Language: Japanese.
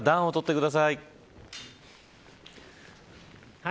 暖を取ってください。